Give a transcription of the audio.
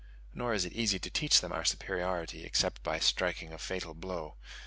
Nor is it easy to teach them our superiority except by striking a fatal blow.